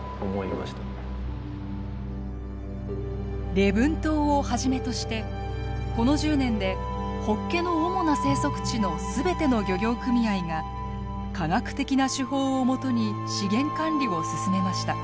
礼文島をはじめとしてこの１０年でホッケの主な生息地の全ての漁業組合が科学的な手法をもとに資源管理を進めました。